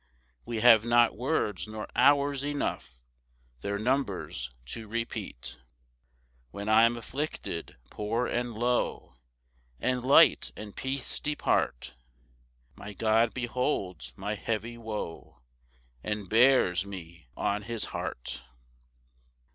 We have not words nor hours enough Their numbers to repeat. 6 When I'm afflicted, poor and low, And light and peace depart, My God beholds my heavy woe, And bears me on his heart.